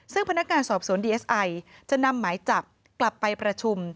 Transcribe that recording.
ซึ่งพนักงานสอบสวนดีเอสไอจะนำหมายจับกลับไปประชุม